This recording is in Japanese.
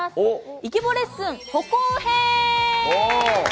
「イケボレッスン補講編」！